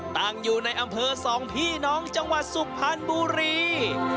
ตั้งอยู่ในอำเภอ๒พี่น้องจังหวัดสุพรรณบุรี